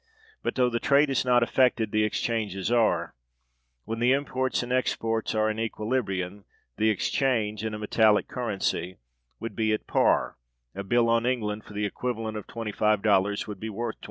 But, though the trade is not affected, the exchanges are. When the imports and exports are in equilibrium, the exchange, in a metallic currency, would be at par; a bill on England for the equivalent of $25 would be worth $25.